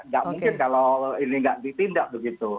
tidak mungkin kalau ini tidak ditindak begitu